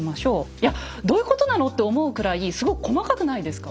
いやどういうことなのって思うくらいすごく細かくないですか？